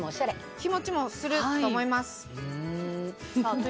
日持ちもすると思います。